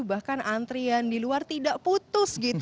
bahkan antrian di luar tidak putus gitu